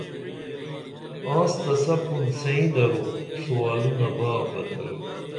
آنس تہ سپُں سئیں درو سوالونہ با بدل